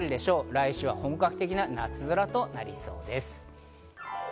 来週は本格的な夏空となりそうです。